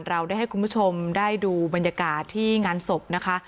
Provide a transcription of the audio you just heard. เราได้ให้คุณผู้ชมได้ดูบรรยากาศที่งานศพนะคะ